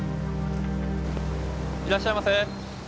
・いらっしゃいませ。